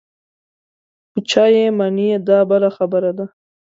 په چا یې منې دا بله خبره ده.